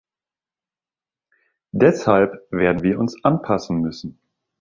Deshalb werden wir uns anpassen müssen.